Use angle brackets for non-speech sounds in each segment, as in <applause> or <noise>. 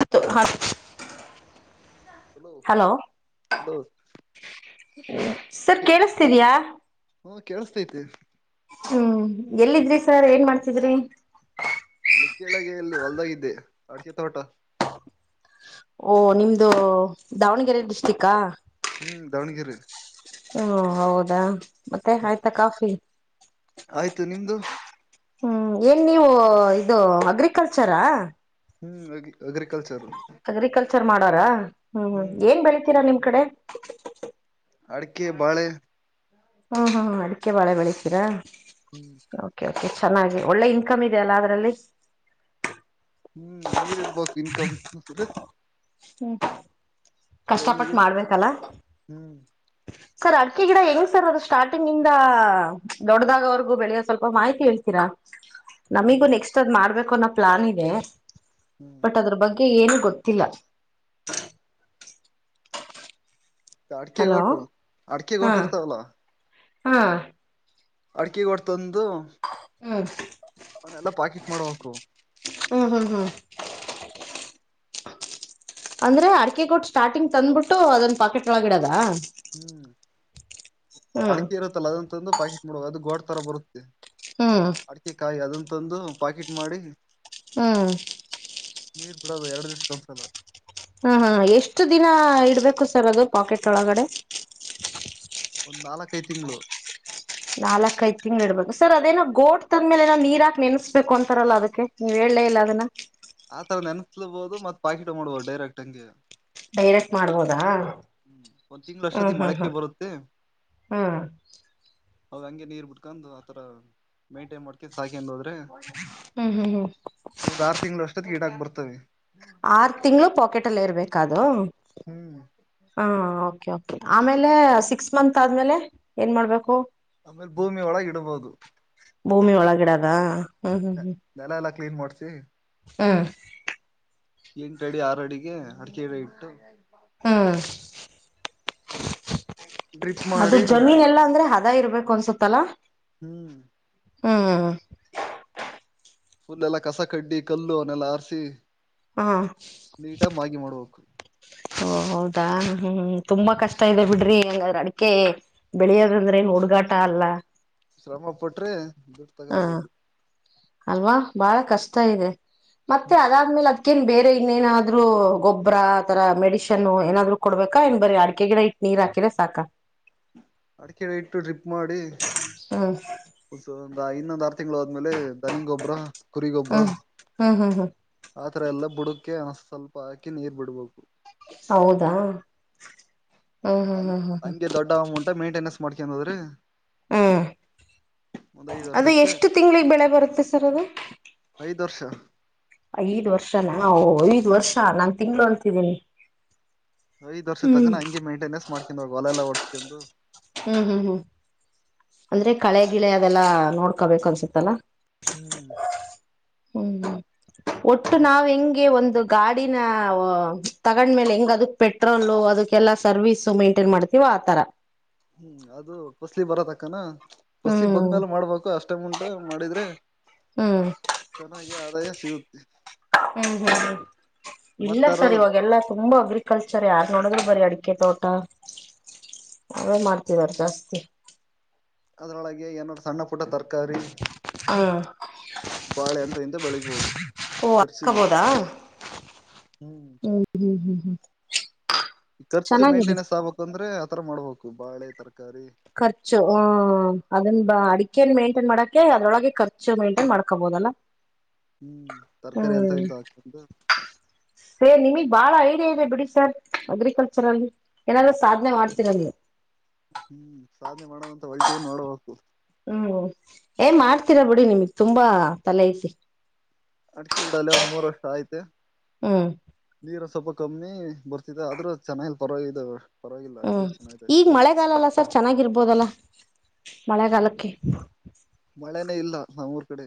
ಹತ್ತು ಹ hello hello ಹ್ಮ ಸರ್ ಕೇಳಸತೀದಯಾ ಹ್ಮ ಕೇಳಸ್ತೈತಿ ಹ್ಮ್ ಎಲ್ಲಿದ್ರಿ ಸರ್ ಏನ್ ಮಾಡ್ತಿದ್ರಿ ಕೆಳಗೆ ಎಲ್ಲಿ ಹೊಲ್ದಾಗಿದ್ದೆ ಅಡಕೆ ತೋಟ ಓಹ ನಿಮ್ದು ದಾವಣಗೆರೆ ಡಿಸ್ಟ್ರಿಕಾ ಹ್ಮ್ ದಾವಣಗೆರೆ ಹ್ಮ ಹೌದಾ ಮತ್ತೆ ಆಯ್ತಾ ಕಾಫಿ ಆಯ್ತು ನಿಮ್ದು ಹ್ಮ್ ಏನ್ ನೀವು ಇದು ಅಗ್ರಿಕಲ್ಚರಾ ಹ್ಮ್ ಅಗ್ರಿಕಲ್ಚರ್ ಅಗ್ರಿಕಲ್ಚರ್ ಮಾಡೂರಾ ಹ್ಮ್ ಹ್ಮ್ ಏನ್ ಬೆಳಿತೀರಾ ನಿಮ್ ಮ್ಮ ಕಡೆ ಅಡಕೆ ಬಾಳೆ ಹ್ಮ್ ಹ್ಮ್ ಹ್ಮ ಅಡಿಕೆ ಬಾಳೆ ಬೆಳಿತೀರಾ ಹ್ಮ್ ಓಕೆ ಚೆನ್ನಾಗಿ ಒಳ್ಳೆ ಇನ್ಕಮ್ ಇದೆ ಅಲ್ಲ ಅದ್ರಲ್ಲಿ ಹ್ಮ್ ನೀರಿ ಇಡ್ಬೇಕು ಇನ್ಕಮ್ ಹ್ಮ್ ನೀ ಕಷ್ಟಪಟ್ಟು ಮಾಡ್ಬೇಕಲ್ಲ ಹ್ಮ್ ಸರ್ ಅಡಕೆ ಗಿಡ ಹೆಂಗ್ ಸರ್ ಅದು ಸ್ಟಾರ್ಟಿಂಗ್ ಇಂದ ದೊಡ್ಡ್ದಾಗ ಅವ್ರಗೂ ಬೆಳೆಯ ಸ್ವಲ್ಪ ಮಾಹಿತಿ ಹೇಳ್ತೀರಾ ನಮಗ ಹ್ಮ್ ನೆಕ್ಸ್ಟ್ ಅದ್ ಮಾಡ್ಬೇಕು ಪ್ಲಾನ್ ಇದೆ ಹ್ಮ್ ಬಟ್ ಅದ್ರ ಬಗ್ಗೆ ಗೆ ಏನು ಗೊತ್ತಿಲ್ಲ ಅಡಕೆ ಹಲೋ ಗೊಟು ಅಡಕೆ ಹಾ ಗೊಟು ಇರ್ತಲ್ಲ ಹಾ ಅಡಿಕೆಗೊಟ್ ತಂದು ಹದು ಅವನ್ನೆಲ್ಲಾ ಪಾಕೆಟ್ ಮಾಡ್ಬೇಕು ಹ್ಮ್ ಹ್ಮ್ ಹ್ಮ್ ಅಂದ್ರೆ ಅಡಕೆ ಕೊಟ್ಟು ಸ್ಟಾರ್ಟಿಂಗ್ ತಂದ್ಬಿಟ್ಟು ಅದೊಂದು ಪಾಕೆಟ್ ಒಳಗ ಇಡದ ಹ್ಮ್ ಹ್ಮ್ ಅಡಕೆ ಇರುತ್ತಲ್ಲ ಅದಂತಂದು ಪಾಕೆಟ್ಡುವ ಅದು ಗೋಡ್ ಬ ಹ್ಮ್ ಅಡಿಕೆ ಕಾಯಿ ಅದ ತಂದು ಪಾಕಿಟ್ ಮಾಡಿ ಹಾ ನೀರ್ ಬಿಡದು ಎರಡು ದಿವಸ ಕನ್ಸಲ್ಲ ಹ್ಮ್ ಹ್ಮ್ ಎಷ್ಟು ದಿನ ಇಡ್ಬೇಕು ಸರ್ ಅದು ಪಾಕೆಟ್ ಒಳಗಡೆ ಒಂದ್ ನಾಲ್ಕೈ ತಿಂಗಳು ನಾಲ್ಕ್ ಐದ್ ತಿಂ್ಗಳು ಇಡ್ಬೇಕು ಸರ್ ಅದೇನ ಗೋಟ್ ತಂದ್ಮೇಲೆಏನ್ ನೀರ್ ಹಾಕ್ ನೆಮಸ್ಬೇಕು ಅಂತಾರಲ್ಲ ಅದಕ್ಕೆ ನೀವ ಹ ಹೇಳಳ್ಳೇ ಇಲ್ಲ ಅದನ್ನ ಆತರ ನೆನ್ಸ್ಲಬಹುದು ಮತ್ ಪಾಕಿಟ ಮಾಡ್ಬೋದು ಡೈರೆಕ್ಟ್ ಹಂಗೆ ಬೈರಕ್ ಮಾಡ್ಬೋದಾ ಹ್ಮ್ ಒಂದ್ ತಿಂಳ ಹ್ಮ್ ಅಷ್ಟದ ಹ್ಮ್ ಮಳೆಕ್ಕೆ ಹ್ಮ್ ಬರುತ್ತೆ ಹ್ಮ್ ಹೌದ ಹಂಗೆ ನೀರ್ ಬಿಟ್ಕೊಂಡ್ ಆತರ ಮೈಂಟೈನ್ ಮಾಡ್ಕೊಂಡ ಸಾಕಿ ಹೋದ್ರೆ ಹ್ಮ್ ಹ್ಮ್ ಹ್ಮ್ ಗೀಡಾಗ ಬರ್ತವೆ ಆರು ತಿಂಗಳು ಪಾಕೆಟ್ ಅಲ್ಲಿ ಇರ್ಬೇಕ ಹ ಹ್ಮ್ ಹಾ ಕೆ ಆಮೇಲೆ ಸಿಕ್ಸ್ ಮಂತ್ ಆದ್ಮೇಲೆ ಏನ್ ಮಾಡ್ಬೇಕು ಆಮೇಲೆ ಭೂಮಿಯ ಒಳಗ ಇಡಬಹುದು ಭೂಮಿ ಒಳಗಿಡದ ಹ್ಮ ಹ್ಮ ಹ್ಮ ನೆಲ ಎಲ್ಲಾ ಕ್ಲೀನ್ ಮಾಡ್ಸ ಹಾ ಎಂಟು ಅಡಿ ಆರ ಅಡಿಗೆ ಅಡಿಕೆಡೆ ಇಟ್ಟು ಹ್ಮ ಡ್ರಿಪ್ ಅದು ಮಾಡಿ ಜಮೀನ್ ಎಲ್ಲಾ ಅಂದ್ರೆ <unintelligible> ಇರ್ಬೇಕು ಅನ್ಸುತ್ತಲ್ಲಾ ಹ್ಮ್ ಹ್ಮ್ ಫುಲ್ಲೆಲ್ಲಾ ಕಸ ಕಡ್ಡಿ ಕಲ್ಲು ಅವನ್ನೆಲ್ಲ ಹಾರ್ಸಿ ಹಾ ನೀಟಾಗಿ ಮಾಗಿ ಮಾಡ್ಬೇಕು ಓ ಹೌದಾ ಹ್ಮ್ ತುಂಬಾ ಕಷ್ಟ ಇದೆ ಬಿಡ್ರಿ ಹೆಂಗ ಅಡಿಕೆ ಬೆಳೆಯೋದಂದ್ರೆ ಏನ್ ಹುಡುಗಾಟ ಅಲ್ಲ ಶ್ರಮ ಪಟ್ರೆ ದುಡ್ಡು ಹ ತಗೋಬೋದು ಅಲ್ವಾ ಬಾಳ ಕಷ್ಟ ಇದೆ ಮತ್ತೆ ಅದಾದ್ಮೇಲೆ ಅದ ಅಕ್ಕೇನ್ ಬೇರೆ ಇನ್ನೇನಾದ್ರು ಗೊಬ್ಬರ ಆ ತರ ಮೆಡಿಶನ್ ಏನಾದ್ರು ಕೊಡ್ಬೇಕಾ ಏನ್ ಬರ ಅಡಕ ಗಿಡ ಇಟ್ ನೀರ್ ಹಾಕಿರ ಸಾಕ ಕೇಳ್ ಅಡಕೆಡೆ ಇಟ್ಟು ಟ್ರಿಪ್ ಮಾಡಿ ಹ್ಮ್ ಸ ಐದು ಇನ್ನೊಂದ್ ಆರು ತಿಂಗಳು ಹೋದ್ಮೇಲೆ ಧನಿ ಗೊಬ್ಬರ ಕುರಿ ಗೊಬ್ಬರ ಹ್ಮ್ ಹ್ಮ್ ಹ್ಮ್ ಹ್ಮ್ ಆ ಅತರ ಎಲ್ಲ ಬುಡಕೆ ಆಸ ಸ್ವಲ್ಪ ಹಾಕಿ ನೀರ್ ಬಿಡ್ಬೇಕು ಹೌದಾ ಹ್ಮ್ ಹ ಹ್ಮ್ ಹ್ಮ್ ಹ್ಮ್ ಹಂಗೆ ದೊಡ್ಡ ಅಮೌಂಟ್ ಮೇಂಟೆನೆನ್ಸ್ ಮಾಡ್ಕನ್ದ್ರೀ ಹ್ಮ್ ಅದು ವರ್ಷಕ್ಕೆ ಎಷ್ಟು ತಿಂಗಳಿಗೆ ಬೆಳೆ ಬರುತ್ತೆ ಸರ್ ಅದು ಐದರ್ಶ ಐದ್ ವರ್ಷ ಹೋ ಐದ್ ವರ್ಷ ನಾನ್ ತಿಂಗಳು ಅಂತಿದ್ದೀನಿ ಐದ ವರ್ಷ ತಕ ಹ್ಮ್ ನ ಹಂ ಮೇಂಟೇನ್ನಸ್ ಮಾಡ್ <unintelligible> ಹೊಲಲ್ಲ ಓಡ್ಸ್ತಂದು ಹ್ಮ್ ಹ್ಮ್ ಹ್ಮ್ ಅಂದ್ರೆ ಕಳೆ ಗಿಳೆ ಅದೆಲ್ಲಾ ನೋಡ್ಕೊಬೇಕು ಅನ್ಸತ್ತಲ್ಲ ಹ್ಮ್ ಹ್ಮ್ ಒಟ್ಟು ನಾವ ಹೆಂಗೆ ಒಂದು ಗಾಡಿನ ತಗೊಂಡ್ಮೇಲೆ ಹೆಂಗ ಅದಕ್ ಪೆಟ್ರೋಲು ಅದಕ್ಕೆಲ್ಲಾ ಸರ್ವೀಸು ಮೈಂಟೈನ್ ಮಾಡ್ತೀವೋ ಆತರ ಹ್ಮ್ ಅದು ಪಸ್ಲಿ ಬರತ್ ಅಕ್ಕನ ಪಸ್ಲಿಗ್ ಹ್ಮ್ ಬಂದ್ಮೇಲೆ ಮಾಡಬೇಕು ಅಷ್ಟ್ ಟು ಮಾಡಿದ್ರೆ ಹ್ಮ್ ಚನಗ ಆದಾಯ ಸಿಗು ಹ್ಮ್ ಹ್ಮ್ ಹ್ಮ್ ಇಲ್ಲ ಮತ್ತ ಅದ್ರ ಸರ್ ಇವಾಗೆಲ್ಲಾ ತುಂಬಾ ಅಗ್ರಿ ಕಲ್ಚರ್ ಯಾರ್ ನೋಡಿದ್ರು ಬರಿ ಅಡಿಕೆ ತೋಟ ಅವ ಮಾಡ್ತಿದಾರೇ ಜಾಸ್ತಿ ಅದ್ರೊಳಗೆ ಏನಾದ್ರು ಸಣ್ಣ ಪುಟ್ಟ ತರಕಾರಿ ಹಾ ಬಾಳೆ ಅಂತ ಬೆಳಿಬೋದು ಓ ಹಾಕಬೋದಾ ಹ್ಮ್ ಹ್ಮ್ ಹ್ಮ್ ಹ್ಮ ಖರ್ಚು ಮೇಂಟನೆನ್ಸ್ ಆಗ್ಬೇಕು ಅಂದ್ರೆ ಆತರ ಮಾಡ್ಬಬೇಕು ಬಾಳೆ ತರಕಾರಿ ಖರ್ಚು ಹ್ಮ ಅದನ್ನ ಅಡಿಕೆ ಮೇನ್ ಟೈನ್ ಮಾಡಕೆ ಅದ್ರೊಳಗೆ ಖರ್ಚು ಮೇಂಟೈನ್ ಮಾಡ್ಕೋಬಹುದಲ್ಲಾ ಹ್ಮ್ ತರಕಾರಿ ಎಂತ ಇಂತ ಹಗೆ ಇದೆ ಬಿಡಿ ಸರ್ ಅಗ್ರಿಕಲ್ಚರ್ ಅಲ್ಲಿ ಏನಾದ್ರು ಸಾಧನೆ ಮಾಡ್ತೀರ ನೀವು ಹ್ಮ್ ಸಾಧನೆ ಮಾಡೋದಂತ ಹೊಲ್ಟಿ ನೋಡಬೇಕು ಹ್ಮ್ ಏ ಮಾಡ್ತೀರಾ ಬಿಡಿ ನಿಮ್ಗ್ ತುಂಬಾ ತಲೆ ಐತಿ ಅಡಿಗೆ ಗಿಡಲ್ಲ ಒಂದ್ ಮೂರ್ ವರ್ಷ್ಟ ಆಯ್ತೆ ಹ್ಮ್ ನೀ ಸ್ವಲ್ಪ ಕಮ್ಮಿ ಬರ್ತಿದೆ ಆದ್ರೂ ಚೆನ್ನಾಗಿಲ್ ಪರವಾಗಿದಾವೆ ಹ್ಮ್ ಈಗ ಮಳೆಗಾಲಲ್ಲ ಸರ್ ಚೆನ್ನಾಗಿರ್ಬೋದಲ್ಲಾ ಮಳೆಗಾಲಕ್ಕೆ ಮಳೆನೇ ಇಲ್ಲ ನಮ್ಮ್ ಊರ್ ಕಡೆ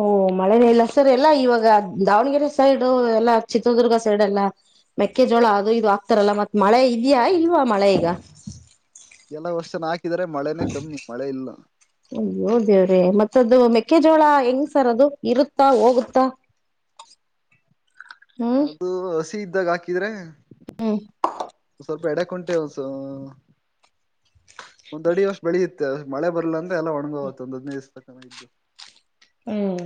ಓ ಮಳೆನೇ ಇಲ್ಲ ಸರ್ ಎಲ್ಲಾ ಇವಾಗ ದಾವಣಗೆರೆ ಸೈಡು ಎಲ್ಲಾ ಚಿತ್ರದುರ್ಗ ಸೈಡ್ ಎಲ್ಲಾ ಮೆಕ್ಕೆಜೋಳ ಅದು ಇದು ಆಗ್ತಾರಲ್ಲ ಮತ್ ಮಳೆ ಇದ್ಯಾ ಇಲ್ವಾ ಮಳೆ ಈಗ ಎಲ್ಲ ವರ್ಷನು ಹಾಕಿ ಸಿಕ್ಕಿದ್ರೆ ಮಳೆನೆ ಕಮ್ಮಿ ಮಳೆ ಇಲ್ಲ ದೇವ್ರೇ ಮತ್ತದು ಮೆಕ್ಕೆಜೋಳ ಹೆಂಗ್ ಸರ್ ಅದು ಇರುತ್ತಾ ಹೋಗುತ್ತ ಅದು ಇದ್ದಾಗ ಹಾಕಿದ್ರೆ ಹ್ಮ್ ಸ್ವಲ್ಪ ಎಡೆ ಕುಂಟೆ ಒಂದ್ ಅಡಿ ಅಷ್ಟ್ ಬೆಳಿಯುತ್ತೆ ಮಳೆ ಬರ್ಲ ಅಂದ್ರೆ ಎಲ್ಲ ಒಣಗೋಗತ್ತೆ ಒಂದ್ ಹದಿನೈದು ದಿವಸತಕನ ಇದ್ದು ಹ್ಮ್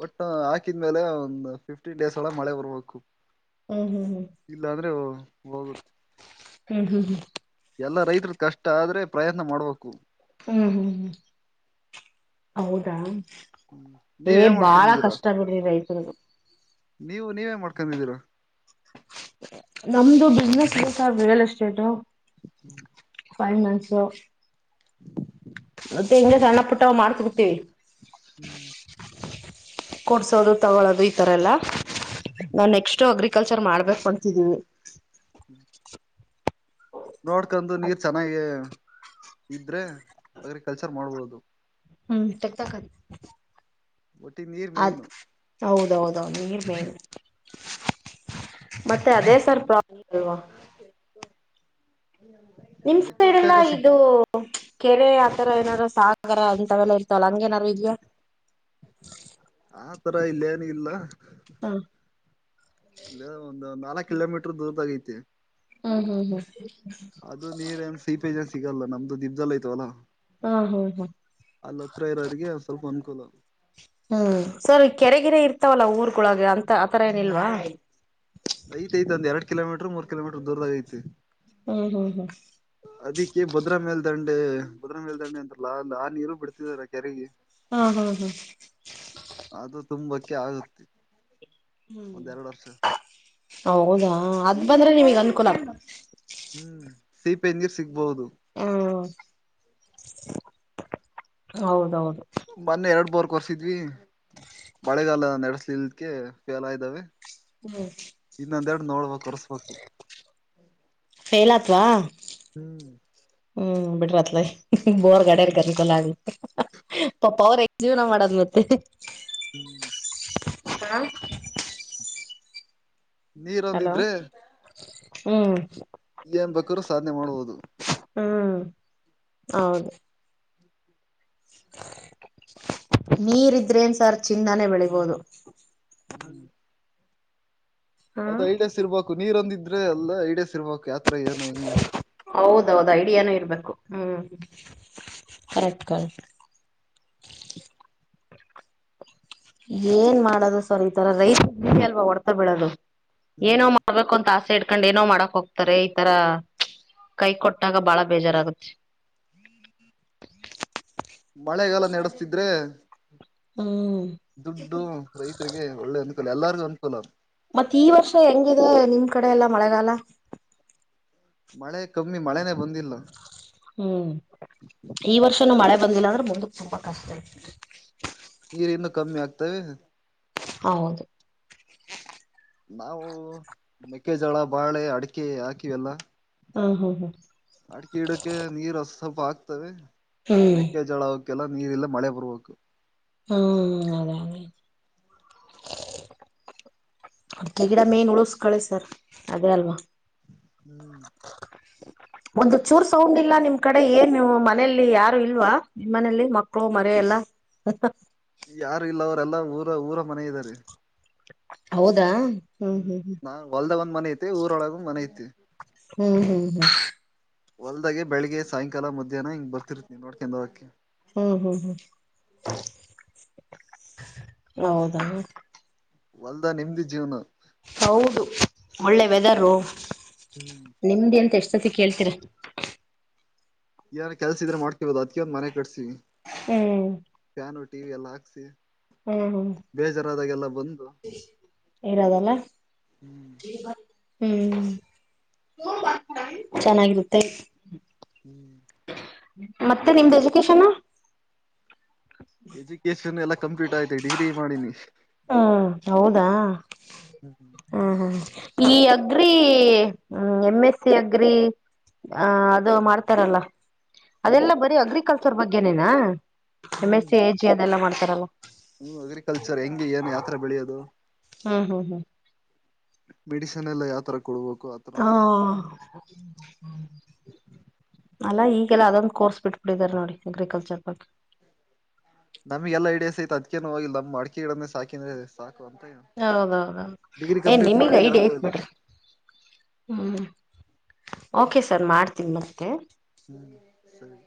ಬಟ್ ಹಾಕಿದ್ಮೇಲೆ ಒಂದು ಫಿಫ್ಟಿನ್ ಡೇಸ್ ಒಳಗೆ ಮಳೆ ಬರ್ಬೇಕು ಹ್ಮ್ ಹ್ಮ್ ಹ್ಮ್ ಇಲ್ಲ ಅಂದ್ರೆ ಹೋಗುತ್ತೆ ಹ್ಮ ಹ್ಮ ಹ್ಮ ಎಲ್ಲಾ ರೈತರ ಕಷ್ಟ ಆದ್ರೆ ಪ್ರಯತ್ನ ಮಾಡ್ಬೇಕು ಹ್ಮ್ ಹ್ಮ್ ಹ್ಮ್ ಹೌದ ಏ ನೀವ್ ಏನ್ ಬಾಳ ಮಾಡ್ಕೊಂಡಿದೀರಾ ಕಷ್ಟ ಬಿಡ್ರಿ ರೈತರಿಗ್ ನೀವು ನೀವೇನ್ ಮಾಡ್ಕೊಂಡಿದ್ದೀರ ನಮ್ದು ಬಿಸ್ನೆಸ್ ಇದೆ ಸರ್ ರಿಯಲ್ ಎಸ್ಟೇಟ್ <inaudible> ಫೈನಾನ್ಸು ಮತ್ತೆ ಹಿಂಗ ಸಣ್ಣ ಪುಟ್ಟ ಮಾಡ್ತಿಡ್ತೀವಿ ಹ್ಮ್ ಕೊಡ್ಸೋದು ತಗಳೋದು ಈತರ ಎಲ್ಲ ನಾ ನೆಕ್ಸ್ಟ್ ಅಗ್ರಿಕಲ್ಚರ್ ಮಾಡ್ಬೇಕು ಅಂತಿದ್ದೀವಿ ನೋಡ್ಕಂಡು ನೀರ್ ಚೆನ್ನಾಗಿ ಇದ್ರೆ ಅಗ್ರಿಕಲ್ಚರ್ ಮಾಡ್ಬೋದು ಹ್ಮ್ ತಕತ್ ಒಟ್ಟಿ ನೀರ್ ಮೇನು ಹೌದೌದೌದು ನೀರ ಮೇನ ಮತ್ತೆ ಅದೇ ಸರ್ ಪ್ರ ಅಲ್ಲ ನಿಮ್ ಸೈಡ್ನ ಸಿಗ್ ಇದು ಕೆರೆ ಆ ಈಥರ ಏನಾದಾರರು ಸಾಗರ ಅಂತವೆಲ್ಲಾ ಇರ್ತವಲ್ಲ ಹಂಗೇನಾರು ಈದಿಯಾ ಆ ತರ ಇಲ್ಲ ಏನ ಇಲ್ಲ ಹಾ ಇಲ್ಲ ಒಂದು ನಾಕ ಕಲಮೀಟರ್ ದೂರ ತಗೈತೆ ಹ್ಮ್ ಹ್ಮ್ ಹ್ಮ್ ಲ್ಲ ನಮ್ದು ದೀಪ್ ದಲ್ಲ ಆಯತವಲ್ಲ ಹಾ ಹ್ಮ್ ಹ್ಮ್ ಇರೋರಿಗೆ ಸ್ವಲ್ಪ ಅನುಕೂಲ ಹ್ಮ್ ಸರಿ ಕೆರೆಗೆರೆ ಇರ್ತ ಇರ್ತವಲ್ಲ ಊರ್ಗಳೊಳಗೆ ಅಂತ ಆತರ ಏನಿಲ್ವಾ ಐತೆೈಐ ಅಂದ ಎಡು ಕಿಲೋಮೀಟರ್ ಮೂರು ಕಿಲೋಮೀಟರ್ ದೂರದಾಗ ಐತಿ ಹ್ಮ್ ಹ್ಮ್ ಹ್ಮ್ ಅದಿ ಕೆ ಭದ್ರಾ ಮಲ್ ದಂಡೆ ಬದ್ರ ಮೇಲ್ದಂಡೆ ಅಂತಲ್ಲ ಅ ಆ ನೀರು ಬಿಡ್ತಿದಾರ ಕೆರೆಗೆ ಹಾ ಹಾ ಹಾ ಅದು ತುಂಬಕ್ಕೆ ಆಗುತ್ತೆ ಒಂದ ಎರಡು ವರ್ಷ ಹೌದಾ ಅದ ಬಂದ್ರೆ ನಿಮಗ್ ಅನ್ಕೂಲ ಹ್ಮ್ ಸಿಪೆ ನೀರ್ ಸಿ ಬೌದು ಹ್ಮ್ ಹೌದೌದು ಮೂನ್ನೆ ಎರಡು ಬೂರ್ ಕೊರ್ಸಿದ್ವಿ ಮಳೆಗಾಲ ನಡೆಸ್ಲಲ್ಕ್ಕೆ ಫೇಲ್ ಆದವೆ ಹ್ಮ್ ರಡಿ ನೋಡಬೇಕ ಕರಸಬೇಕ ವಾ ಹ್ಮ್ ಹ್ಮ್ ಬಿಟ್ರತ್ಲ ಬೋರ್ ಗಡರ್ ಕರ್ಲ ಆಗ ಪಪ ಅವ್ರ ಜೀವನ ಮಾಡದ್ ಮತ್ತೆ ಹ್ಮ್ ಹ ನೀರ ಒಂದಿದ್ರೆ ಹ್ಮ್ ಏನ್ ಬೇಕಾದ್ರೂ ಸಾಧನೆ ಮಾಡುವುದು ಹ್ಮ್ ಹೌದು ನೀರಿದ್ರೇನ್ ಸರ್ ಚಿಂದನೆ ಬೆಳಿಬೋದು ಹ್ಮ್ ಅದ ಹ್ಮ್ ಐಡಸ್ ಇರ್ಬೇಕು ನೀರೊಂದ ಎಲ್ಲ ಇಡೇ ಸಿರ್ಬೇಕಕ್ ಯ ಹೌದೌದು ಐಡಿಯಾನು ಇರ್ಬೇಕು ಹ್ಮ್ ಹರಕಲ್ ಏನ್ ಮಾಡದು ಸರ್ ಈ ತರ ರೈತ ಅಲ್ವಾ ಹೊಡ್ತ ಬಿಡದು ಏನೋ ಹ್ಮ್ ಮಾಡ್ಬೇಕು ಅಂತ ಆಸೆ ಇಡ್ಕೊಂಡು ಏನ ಏನೋ ಮಾಡಕ್ ಹೋಗ್ತಾರೆ ಈತರ ಕೈ ಕೊಟ್ಟಾಗ ಬಾಳ ಬೇಜಾರಾಗುತ್ತೆ ಮಳೆಗಲ್ಲ ನಡೆಸ್ತಿದ್ರೆ ಹ್ಮ್ ದುಡ್ಡು ರೈತರಿಗೆ ಒಳ್ಳೆ ಅನ್ಕಲ್ಲ ಎಲ್ಲಾರ ಅನುಕೂಲ ಮತ್ತೆ ಈ ವರ್ಷ ಹೆಂಗಿದೆ ನಿಮ್ ಕಡೆ ಎಲ್ಲಾ ಮಳೆಗಾಲ ಮಳೆ ಕಮ್ಮಿ ಮಳೆನೆೇ ಬಂದಿಲ್ಲ ಹ್ಮ್ ಈ ವರ್ಷನು ಮಳೆ ಬಂದಿಲ್ಲ ಅಂದ್ರೆ ಬಂದಕ್ ತುಪ ಕಷ್ಟ ನೀರಿಂದ ಕಮ್ಮಿ ಆಗ್ತವೆ ಹೌದು ನಾವು ಮೆಕ್ಕೆಜಳ ಬಾಳೆ ಅಡಿಕೆ ಹಾಕಿವೆಲ್ಲ ಹಾ ಹಾ ಹಾ ಅಡಿಕೆ ಗಿಡಕ್ಕೆ ನೀರು ಸ್ವಲ್ಪ ಆಗ್ತವೆ ಹ್ಮ್ ಮೇಕ ಜಳೋಗ ಎಲ್ಲ ನೀರು ಇಲ್ಲ ಮಳೆ ಪರ್ವು ಹ್ಮ್ ಅದೇ ಅದೇ ಅದಕ ಗಿಡ ಮೇನ್ ನಳು ಕಳಿಸ ಸರ್ ಅದೇ ಅಲ್ವಾ ಹ್ಮ್ ಒಂದು ಚೂರ್ ಸೌಂಡ್ ಇಲ್ಲ ನಿಮ್ ಕಡೆ ಏನ್ ನೀವು ಮನೇಲಿ ಯಾರು ಇಲ್ವಾ ನಿಮ್ಮ್ನಲಿ ಮಕ್ಕಳು ಮರಿ ಎಲ್ಲ ಯಾರು ಇಲ್ಲ ಅವರೆಲ್ಲಾ ಊರ ಊರ ಮನೆ ಇದ್ದಾರೆ ಹೌದಾ ಹ್ಮ್ ನಾ ಹೊಲ್ದಾಗ ಒಂದ್ ಮನ ಐತಿ ಊರೊಳಗಂದ್ ಮನೆ ಐತಿ ಹ್ಮ್ ಹ್ಮ್ ಹ್ಮ್ ಹೊಲ್ದಾಗೆ ಬೆಳಗ್ಗೆ ಸಾಯಂಕಾಲ ಮಧ್ಯಾಹ್ನ ಹಿಂಗ ಬರ್ತಿರ್ತೀವಿ ನೋಡ್ಕೊಂಡ ಹೋಗಕ್ಕೆ ಹ್ಮ್ ಹ್ಮ್ ಹ್ಮ್ ಹೌದಾ ಹೊಲದಾಗ ನೆಮ್ಮದಿ ಜೀವನ ಹೌದು ಒಳ್ಳೆ ವೆದರು ಹ್ಮ್ ನಿಮ್ದ ಎಂತ ಎಷ್ಟ ಸತಿ ಕೇಳ್ತೀರ ಏನರ ಕೆಲ್ಸ ಇದ್ರೆ ಮಾಡ್ತಿರೋದು ಅದಕೆ ಒಂದ್ ಮನೆ ಕಟ್ಸಿನೀ ಹೂ ಫ್ಯಾನ್ ಟಿವಿ ಎಲ್ಲ ಹಾಕ್ಸಿ ಹ್ಮ್ ಹ್ಮ್ ಆದಗೆಲ್ಲಾ ಬಂದು ಇರೋದಲ್ಲ ಹ್ಮ್ ಹ್ಮ್ ಚೆನ್ನಾಗಿರುತ್ತೆ ಹೂ ಮತ್ತೆ ನಿಮ್ದ ಎಜುಕೇಶನ್ ಎಜುಕೇಶನ್ ಎಲ್ಲ ಕಂಪ್ಲೀಟ್ ಆಗಿದೆ ಡಿಗ್ರಿ ಮಾಡಿನಿ ಹ್ಮ್ ಹೌದಾ ಹ್ಮ ಈ agri M S C agri ಅ ಅದು ಮಾಡ್ತಾರಲ್ಲ ಹ್ಮ್ ಅದೆಲ್ಲ ಬರೀ ಅಗ್ರಿಕಲ್ ಬಗ್ಗೆನೇನಾ M S hmm C A G ಅದೆಲ್ಲಾ ಮಾಡ್ತಾರಲ್ಲ ಹ್ಮ ಅಗ್ರಿಕಲ್ಚರ್ ಹೆಂಗೆ ಏನು ಯಾತರ ಬೆಳೆಯೋದು ಹಾ ಹಾ ಹಾ ಮೆಡಿಸಿನ್ ಎಲ್ಲ ಯಾತರ ಹಾ ಅಲ್ಲ ಈ ಎಲ್ಲಾ ಅದೊಂದು ಕೋರ್ಸ್ ಬಿಟ್ಬಿಟ್ಟಿದ್ದಾರೆ ನೋಡಿ ಅಗ್ರಿಕಲ್ಚರ್ ಬಗ್ಗೆ ನಮ್ಗೆಲ್ಲ ಇಡೀಯಾಸ್ ಐತೆ ಅದ್ಕೇನು ಹೋಗಿಲ್ಲ ನಮ್ಮ ಅಡಿಕೆಗಡೇ ಸಾಕಿದ್ರೆ ಸಾಕು ಅಂತ ಹೌದೌದೌದು ಡಿಗ್ರಿ ಏನ್ ಕಂಪ್ಲೀಟ್ ನಿಮಗ್ ಮಾಡಿ ಐಡಿಯಾ ಹೇಳಕ್ ಐತಿ ಹೋಗಿಲ್ಲ ಬಿಡ್ರಿ ಹ್ಮ್ ಓಕೆ ಸರ್ ಮಾಡ್ತೀನಿ ಮತ್ತೆ ಹ್ಮ್ ಸರಿ